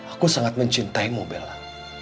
aku sangat mencintaimu bella